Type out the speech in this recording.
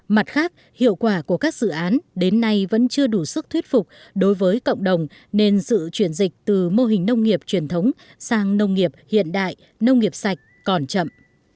mặt khác hiệu quả của các dự án đến nay vẫn chưa đủ sức thuyết phục đối với cộng đồng nên sự chuyển dịch từ mô hình nông nghiệp truyền thống sang nông nghiệp hiện đại nông nghiệp sạch còn chậm